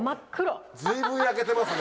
随分焼けてますね。